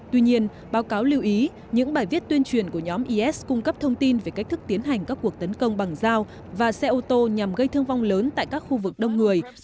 tuy nhiên báo cáo lưu ý những bài viết tuyên truyền của nhóm is cung cấp thông tin về cách thức tiến hành các cuộc tấn công bằng dao và xe ô tô nhằm gây thương vong lớn tại các khu vực đông người